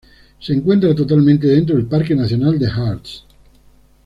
Se encuentra totalmente dentro del Parque Nacional de Harz.